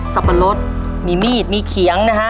สับปะรดมีมีดมีเขียงนะฮะ